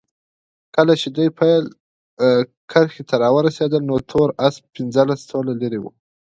کله چې دوی پیل کرښې ته راورسېدل نو تور اس پنځلس طوله لرې وو.